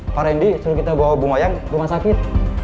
pak randy suruh kita bawa bumayang ke rumah sakit